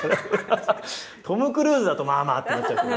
トム・クルーズだとまあまあってなっちゃうけど。